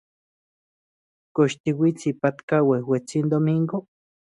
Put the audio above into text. ¿Kox tiuits ipatka ueuetsin Domingo?